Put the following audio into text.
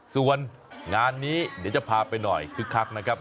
ส่วนงานนี้เดี๋ยวจะพาไปหน่อยคึกคักนะครับ